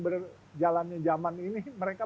berjalannya zaman ini mereka